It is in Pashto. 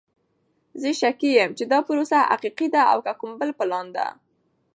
زه شکي یم چې دا پروسه حقیقی ده او که کوم بل پلان ده!